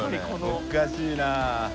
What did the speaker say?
おかしいな。